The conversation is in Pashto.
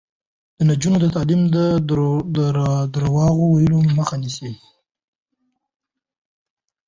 د نجونو تعلیم د درواغو ویلو مخه نیسي.